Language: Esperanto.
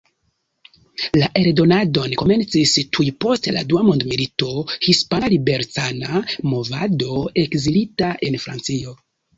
La eldonadon komencis tuj post la dua mondmilito Hispana Liberecana Movado ekzilita en Francio.